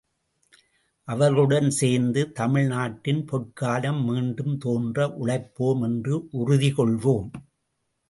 அவர்களுடன் சேர்ந்து தமிழ் நாட்டின் பொற்காலம் மீண்டும் தோன்ற உழைப்போம் என்று உறுதி கொள்வோம்.